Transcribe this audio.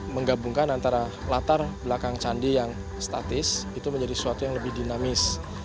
menggabungkan antara latar belakang candi yang statis itu menjadi sesuatu yang lebih dinamis